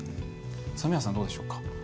染矢さん、どうでしょうか。